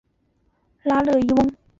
拉热伊翁。